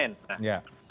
nah anies dan ahaye adalah